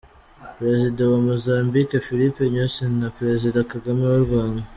Perezida wa Mozambique, Filipe Nyusi na Perezida Kagame w’u Rwanda